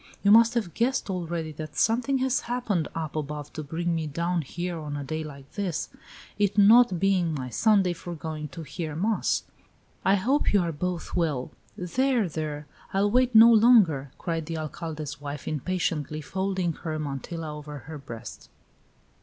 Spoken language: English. You must have guessed already that something has happened up above to bring me down here on a day like this, it not being my Sunday for going to hear mass. I hope you are both well!" "There! there! I'll wait no longer!" cried the Alcalde's wife, impatiently, folding her mantilla over her breast.